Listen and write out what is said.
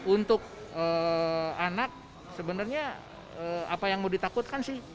untuk anak sebenarnya apa yang mau ditakutkan sih